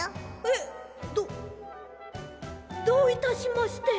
えっどどういたしまして。